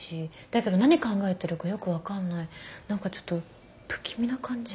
だけど何考えてるかよくわかんない何かちょっと不気味な感じ？